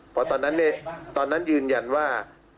เพราะตอนนั้นตอนนั้นยืนยันว่า